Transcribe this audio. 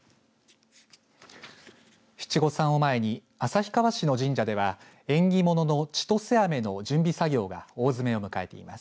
七五三を前に旭川市の神社では縁起物のちとせあめの準備作業が大詰めを迎えています。